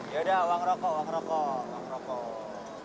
yaudah uang rokok uang rokok